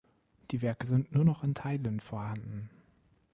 Die Werke sind nur noch in Teilen vorhanden.